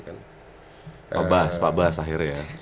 pak bas pak bas akhirnya